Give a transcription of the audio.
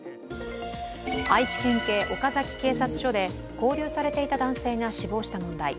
愛知県警・岡崎警察署で勾留されていた男性が死亡した問題。